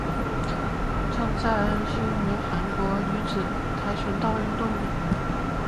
郑在恩是一名韩国女子跆拳道运动员。